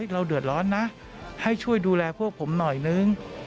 เราเดือดร้อนนะให้ช่วยดูแลพวกผมหน่อยนึง